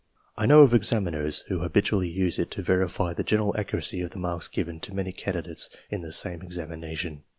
I know of exam iners who habitually use it to verify the general accuracy of the marks given to many candidates in the same examina tion.